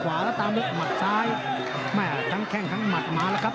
มวยไทยนี่ต่อยลำตัวนี่ถ้าระบบการหายใจไม่ดีถึงก็จุกเลยโหซ้ายแน่นเลยครับ